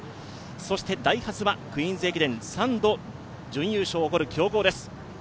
そしてダイハツはクイーンズ駅伝３度準優勝を誇る強豪です。